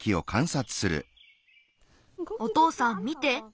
おとうさん見て。